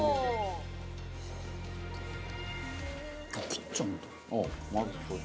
切っちゃうんだ。